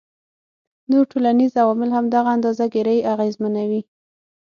نور ټولنیز عوامل هم دغه اندازه ګيرۍ اغیزمنوي